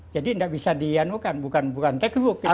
jadi tidak bisa diianukan bukan textbook